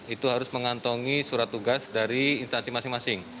itu harus mengantongi surat tugas dari instansi masing masing